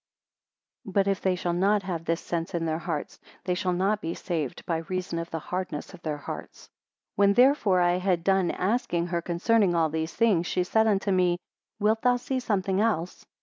81 But if they shall not have this sense in their hearts, they shall not be saved by reason of the hardness of their hearts. 82 When therefore I had done asking her concerning all these things, she said unto me, Wilt thou see something else?